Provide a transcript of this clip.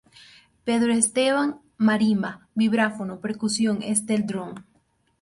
Pedro Esteban: marimba, vibráfono, percusión, steel drum.